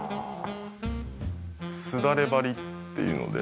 すだれ張りっていうので。